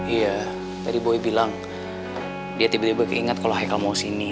iya dari boy bilang dia tiba tiba keinget kalau heikal mau sini